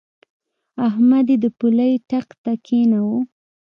احمد يې د پولۍ ټک ته کېناوو.